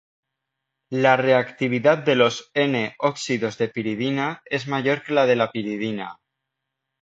La reactividad de los "N"-óxidos de piridina es mayor que la de la piridina.